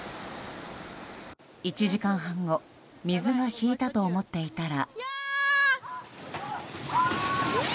１時間半後、水が引いたと思っていたら。